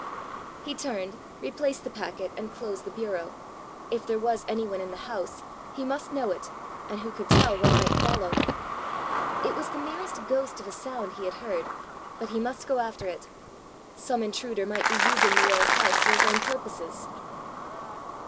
He turned, replaced the packet, and closed the bureau. If there was any one in the house, he must know it, and who could tell what might follow! It was the merest ghost of a sound he had heard, but he must go after it! Some intruder might be using the earl's house for his own purposes!